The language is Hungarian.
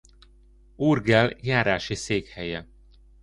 Urgell járási székhelye.